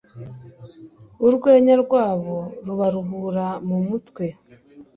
Urwenya rwabo rubaruhura mumutwe